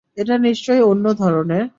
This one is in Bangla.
এটা নিশ্চয়ই অন্য ধরনের!